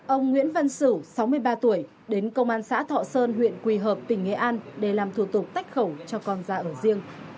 ông nguyễn văn sửu sáu mươi ba tuổi đến công an xã thọ sơn huyện quỳ hợp tỉnh nghệ an để làm thủ tục tách khẩu cho con ra ở riêng